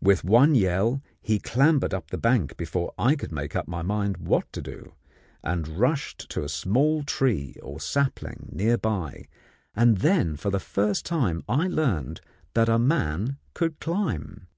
With one yell, he clambered up the bank before I could make up my mind what to do, and rushed to a small tree or sapling near by, and then for the first time I learned that a man could climb.